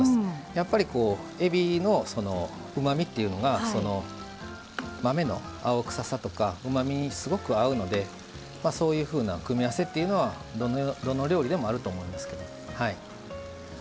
やっぱりえびのそのうまみというのが豆の青臭さとかうまみにすごく合うのでそういうふうな組み合わせっていうのはどの料理でもあると思いますけど。